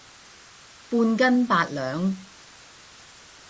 半斤八兩